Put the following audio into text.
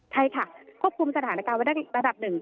ใช่ค่ะควบคุมสถานการณ์ไว้ได้ระดับหนึ่ง